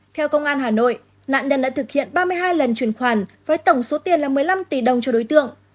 theo công an hà nội nạn nhân đã thực hiện ba mươi hai lần chuyển khoản với tổng số tiền là một mươi năm tỷ đồng cho đối tượng